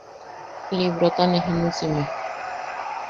Librota ne jinusime.